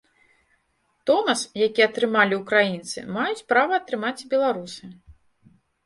Томас, які атрымалі ўкраінцы, маюць права атрымаць і беларусы.